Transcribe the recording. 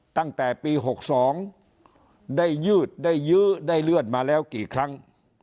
ตั้งแต่ปี๖๒ได้ยืดได้ยื้อได้เลื่อนมาแล้วกี่ครั้ง